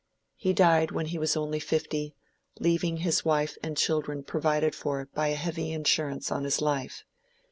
He died when he was only fifty, leaving his wife and children provided for by a heavy insurance on his life.